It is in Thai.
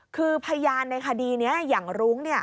คือพยานในคดีนี้อย่างรุ้ง